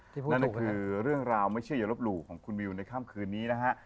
นั่นก็คือเรื่องราวไม่เชื่ออย่าลบหลู่ของคุณวิวในค่ำคืนนี้นะฮะ